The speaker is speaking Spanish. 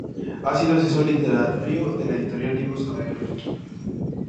Ha sido asesor literario de la editorial Libros del Aire.